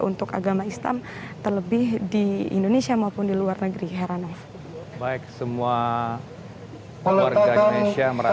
untuk agama islam terlebih di indonesia maupun di luar negeri heran of baik semua kryon further